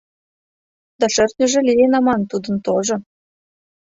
Да шӧртньыжӧ лийын, аман, тудын тожо.